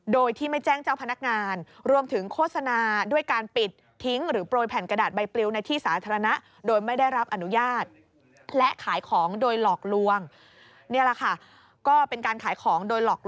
โดยที่ไม่แจ้งเจ้าพนักงาน